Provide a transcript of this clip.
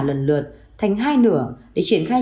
lần lượt thành hai nửa để triển khai